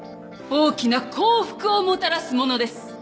大きな幸福をもたらすものです。